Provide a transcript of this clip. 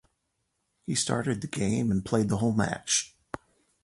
He started the game and played the whole match.